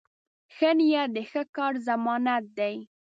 ښه نیت د ښه کار ضمانت دی.